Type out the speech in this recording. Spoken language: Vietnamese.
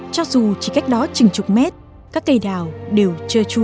cho dù chỉ cách đó chừng chục mét các cây đào đều chơi chung